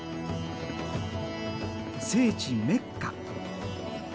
聖地メッカ。